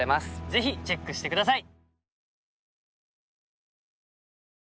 ぜひチェックして下さい。